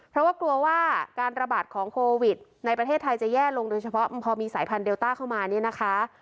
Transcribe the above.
เพราะว่ากลัวว่าการระบาดของโควิดในประเทศไทยจะแย่ลงโดยเฉพาะพอมีสายพันธุเดลต้าเข้ามาเนี่ยนะคะ